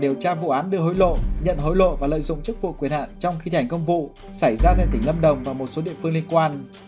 điều tra vụ án đưa hối lộ nhận hối lộ và lợi dụng chức vụ quyền hạn trong khi hành công vụ xảy ra tại tỉnh lâm đồng và một số địa phương liên quan